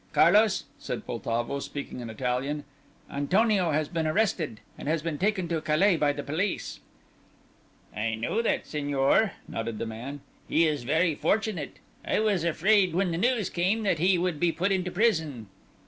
"Carlos," said Poltavo, speaking in Italian, "Antonio has been arrested, and has been taken to Calais by the police." "That I know, signor," nodded the man. "He is very fortunate. I was afraid when the news came that he would be put into prison."